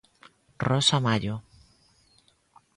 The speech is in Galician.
Rosa Mallo.